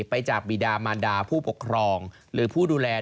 ไปจากบีดามันดาผู้ปกครองหรือผู้ดูแล